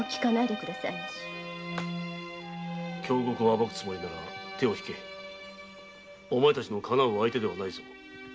京極を暴くつもりなら手をひけお前たちの敵う相手ではないぞ。